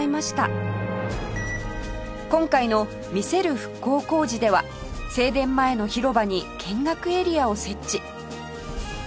今回の「見せる復興工事」では正殿前の広場に見学エリアを設置